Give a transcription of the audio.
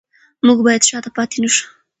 موږ باید شاته پاتې نشو.